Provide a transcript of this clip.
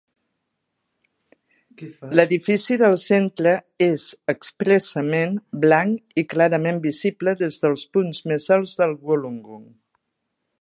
L'edifici del centre és expressament blanc i clarament visible des dels punts més alts de Wollongong.